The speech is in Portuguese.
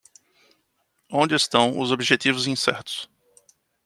Onde estão os objetivos incertos?